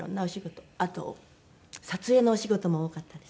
あと撮影のお仕事も多かったです。